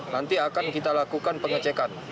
nanti akan kita lakukan pengecekan